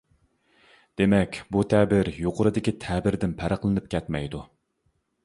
دېمەك، بۇ تەبىر يۇقىرىدىكى تەبىردىن پەرقلىنىپ كەتمەيدۇ.